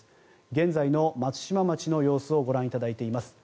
現在の松島町の様子をご覧いただいています。